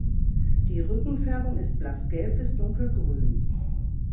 Die Rückenfärbung ist blassgelb bis dunkelgrün.